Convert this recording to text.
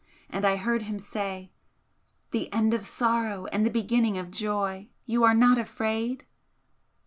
And I heard him say: "The end of sorrow and the beginning of joy! You are not afraid?"